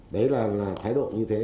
đấy là thái độ như thế